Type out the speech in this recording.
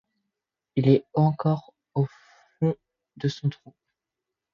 Il était encore au fond de son trou.